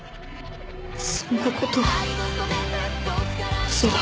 そんなこと嘘だ。